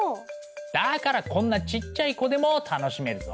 だからこんなちっちゃい子でも楽しめるぞ。